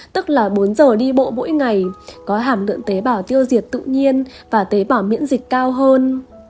tức là bốn giờ đi bộ mỗi ngày có hàm lượng tế bào tiêu diệt tự nhiên và tế bào miễn dịch cao hơn